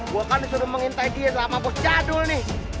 gue kan disuruh mengintai dia selama bos jadul nih